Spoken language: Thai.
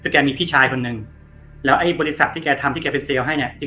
คือแกมีพี่ชายคนนึงแล้วไอ้บริษัทที่แกทำที่แกไปเซลล์ให้เนี่ย